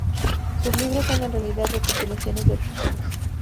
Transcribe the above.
Sus libros son en realidad recopilaciones de artículos.